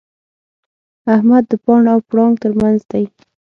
احمد د پاڼ او پړانګ تر منځ دی.